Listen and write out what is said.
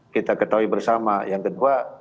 kita ketahui bersama yang kedua